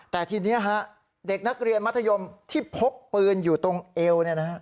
แต่ทีนี้เด็กนักเรียนมัธยมที่พกปืนอยู่ตรงเอว